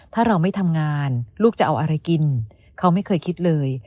ถ้าเราไม่ทำงานลูกจะเอาอะไรกินเขาไม่เคยคิดเลย